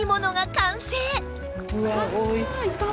うわおいしそうですね。